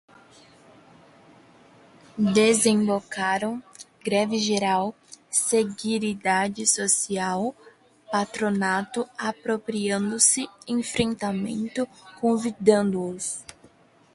Desembocaram, greve geral, seguridade social, patronato, apropriando-se, enfrentamento, convidando-os